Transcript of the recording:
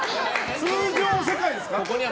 通常世界ですか？